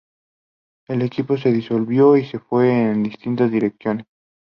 El equipo se disolvió y se fue en distintas direcciones.